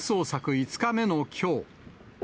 ５日目のきょう。